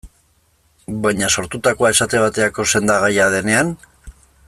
Baina, sortutakoa, esate baterako, sendagaia denean?